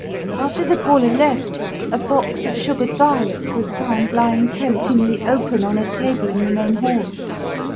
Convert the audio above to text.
After the caller left, a box of sugared violets was found lying temptingly open on a table in the main hall.